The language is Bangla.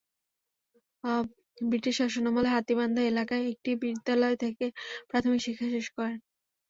ব্রিটিশ শাসনামলে হাতীবান্ধা এলাকার একটি বিদ্যালয় থেকে প্রাথমিক শিক্ষা শেষ করেন।